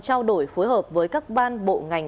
trao đổi phối hợp với các ban bộ ngành